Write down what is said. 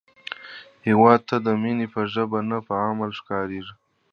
هیواد ته مینه په ژبه نه، په عمل ښکارېږي